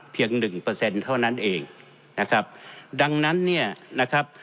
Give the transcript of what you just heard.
หนึ่งเปอร์เซ็นต์เท่านั้นเองนะครับดังนั้นเนี่ยนะครับ